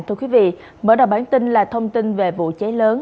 thưa quý vị mở đầu bản tin là thông tin về vụ cháy lớn